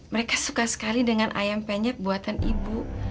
mereka suka sekali dengan ayam penyet buatan ibu